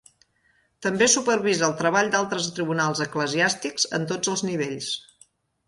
També supervisa el treball d'altres tribunals eclesiàstics en tots els nivells.